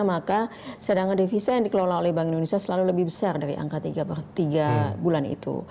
maka cadangan devisa yang dikelola oleh bank indonesia selalu lebih besar dari angka tiga bulan itu